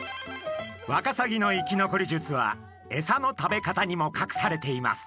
ワカサギの生き残り術はエサの食べ方にもかくされています。